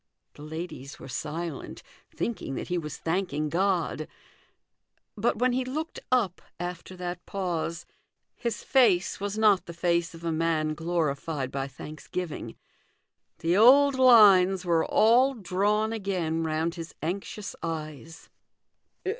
The ladies were silent, thinking that he was thanking God. But, when he looked up after that pause, his face was not the face THE GOLDEN RULE. 289 of a man glorified by thanksgiving. The old lines were all drawn again round his anxious eyes.